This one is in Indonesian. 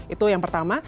itu yang pertama